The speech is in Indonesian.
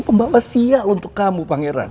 pembawa sial untuk kamu bang heran